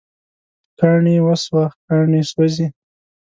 کاڼي وسوه، کاڼي سوزی